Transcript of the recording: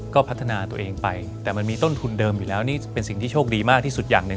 ก็พัฒนาตัวเองไปแต่มันมีต้นทุนเดิมอยู่แล้วนี่เป็นสิ่งที่โชคดีมากที่สุดอย่างหนึ่ง